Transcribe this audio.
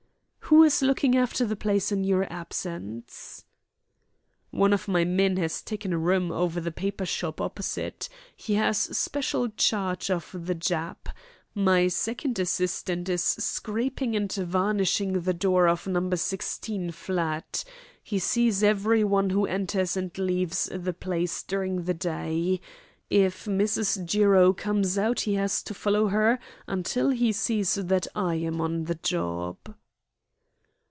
"Who is looking after the place in your absence?" "One of my men has taken a room over the paper shop opposite. He has special charge of the Jap. My second assistant is scraping and varnishing the door of No. 16 flat. He sees every one who enters and leaves the place during the day. If Mrs. Jiro comes out he has to follow her until he sees that I am on the job."